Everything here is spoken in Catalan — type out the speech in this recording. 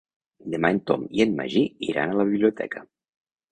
Demà en Tom i en Magí iran a la biblioteca.